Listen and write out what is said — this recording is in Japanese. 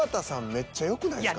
めっちゃよくないですか？